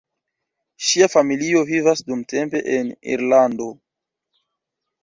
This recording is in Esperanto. Ŝia familio vivas dumtempe en Irlando.